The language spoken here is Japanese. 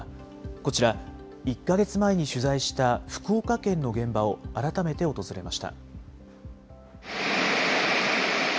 こちら、１か月前に取材した福岡県の現場を改めて訪れました。